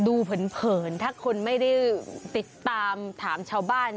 เผินถ้าคนไม่ได้ติดตามถามชาวบ้าน